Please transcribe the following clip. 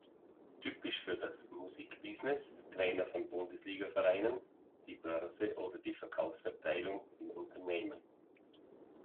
Typisch für das Musikbusiness, Trainer von Bundesliga-Vereinen, die Börse oder die Verkaufsabteilung in Unternehmen.